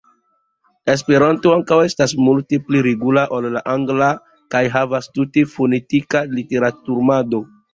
Esperanto ankaŭ estas multe pli regula ol la angla kaj havas tute fonetika literumado.